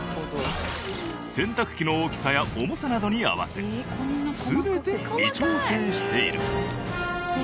洗濯機の大きさや重さなどに合わせ全て微調整している。